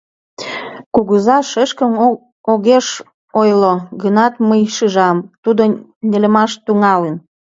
— Кугыза, шешкым огеш ойло гынат, мый шижам, тудо нелемаш тӱҥалын.